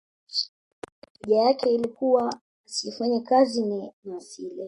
hoja yake ilikuwa asiyefanya kazi na asile